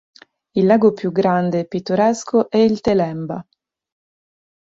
Il lago più grande e pittoresco è il Telemba.